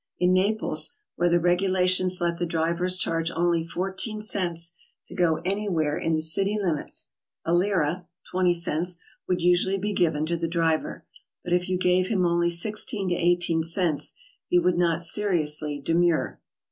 In Naples, where the regu lations let the drivers charge only 14 cents to go anywhere in the city limits, a lira (20 cents) would usually be given to the driver, but if you gave him only 16 to 18 cents, he would not seriously demur.